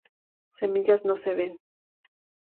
Semillas no se ven.